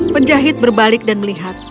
penjahit berbalik dan melihat